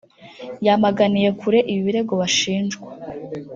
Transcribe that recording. yamaganiye kure ibi birego bashinjwa